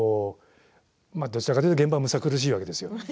どちらかというと現場はむさ苦しいだけですよ。